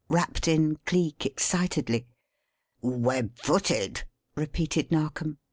rapped in Cleek excitedly. "Web footed," repeated Narkom.